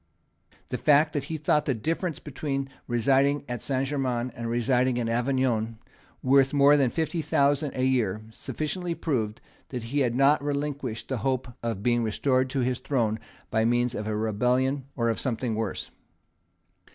The fact that he thought the difference between residing at Saint Germains and residing at Avignon worth more than fifty thousand a year sufficiently proved that he had not relinquished the hope of being restored to his throne by means of a rebellion or of something worse.